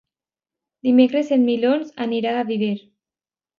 Dimecres en Milos anirà a Viver.